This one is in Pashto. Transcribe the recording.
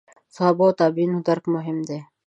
صحابه تابعین درک مهم دي.